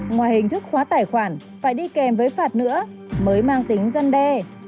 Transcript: ngoài hình thức khóa tài khoản phải đi kèm với phạt nữa mới mang tính dân đe